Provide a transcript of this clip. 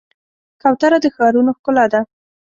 کوتره د ښارونو ښکلا ده.